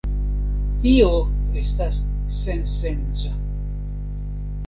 Tio estas sensenca.